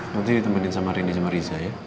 nanti ditemani sama rinde sama riza ya